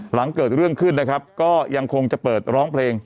หลังเกิดเรื่องขึ้นนะครับก็ยังคงจะเปิดร้องเพลง